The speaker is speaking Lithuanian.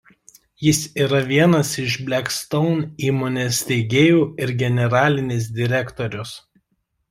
Jis yra vienas iš „Blackstone“ įmonės steigėjų ir generalinis direktorius.